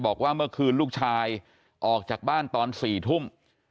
บอกว่าเมื่อคืนลูกชายออกจากบ้านตอน๔ทุ่ม